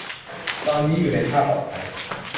ตอนนี้อยู่ในท่าปลอดภัย